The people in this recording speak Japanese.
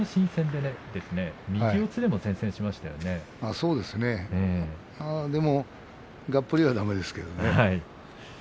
でもがっぷりはだめですけどね。